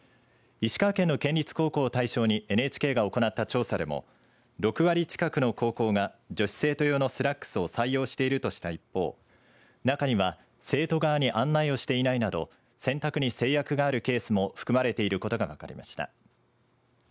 石川県の県立高校を対象にＮＨＫが行った調査でも６割近くの高校が女子生徒用のスラックスを採用しているとした一方中には、生徒側に案内をしていないなど選択に制約があるケースも含まれていることが分かりました。